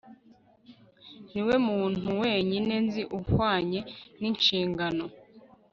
niwe muntu wenyine nzi uhwanye ninshingano